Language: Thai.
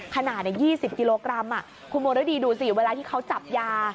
ขนาด๒๐กิโลกรัมคุณมรดีดูสิเวลาที่เขาจับยา